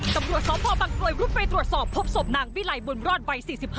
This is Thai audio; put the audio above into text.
ตำรวจสพบังกลวยรุดไปตรวจสอบพบศพนางวิลัยบุญรอดวัย๔๕